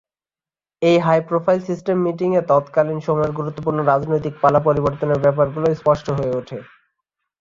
এই high profile secret meeting এ তৎকালীন সময়ের গুরত্বপূর্ণ রাজনৈতিক পালা পরিবর্তনের ব্যাপার গুলো স্পষ্ট হয়ে উঠে।